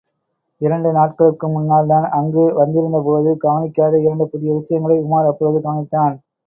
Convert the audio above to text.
இரண்டு நாட்களுக்கு முன்னால் தான் அங்கு வந்திருந்தபோது கவனிக்காத இரண்டு புது விஷயங்களை உமார் அப்பொழுது கவனித்தான்.